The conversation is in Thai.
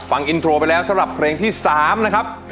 ฟังอินโทรไปแล้วสำหรับเพลงที่๓นะครับ